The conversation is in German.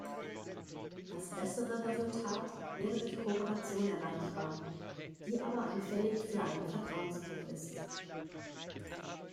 Das bessere Resultat wäre durch Kooperation erreichbar, die aber anfällig für einen Vertrauensbruch ist.